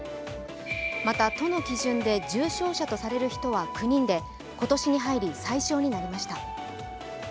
また都の基準で重症者とされる人は９人で今年に入り、最少になりました。